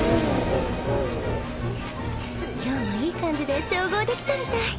今日もいい感じで調合できたみたい。